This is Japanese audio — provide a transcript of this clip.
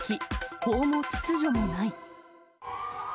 法も秩序もない。